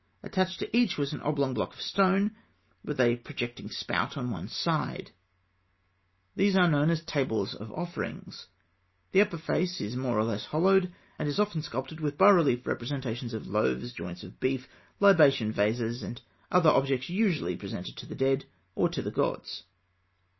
Attached to each was an oblong block of stone, with a projecting spout on one side; these are known as "tables of offerings" (fig. 110). The upper face is more or less hollowed, and is often sculptured with bas relief representations of loaves, joints of beef, libation vases, and other objects usually presented to the dead or to the gods.